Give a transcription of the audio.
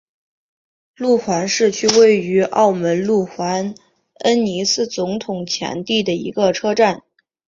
路环市区位于澳门路环恩尼斯总统前地的一个公车站。